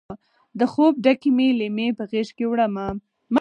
د خوب ډکې مې لیمې په غیږکې وړمه